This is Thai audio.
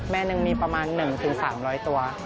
หนึ่งมีประมาณ๑๓๐๐ตัว